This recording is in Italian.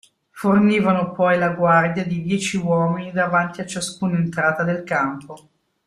Fornivano poi la guardia di dieci uomini davanti a ciascuna entrata del campo.